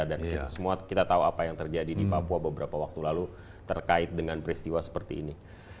dan kita semua tahu apa yang terjadi di papua beberapa waktu lalu terkait dengan peristiwa seperti ini